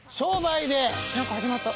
何か始まった。